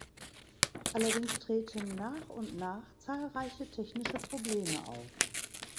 Allerdings treten nach und nach zahlreiche technische Probleme auf.